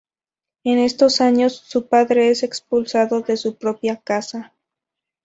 En estos años, su padre es expulsado de su propia casa.